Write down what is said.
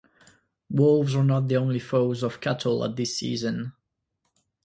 Wolves are not the only foes of cattle at this season.